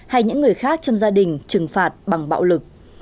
hay những người khác trong gia đình trừng phạt bằng bạo lực